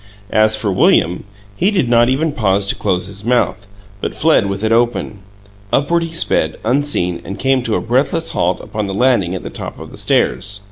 As for William, he did not even pause to close his mouth, but fled with it open. Upward he sped, unseen, and came to a breathless halt upon the landing at the top of the stairs.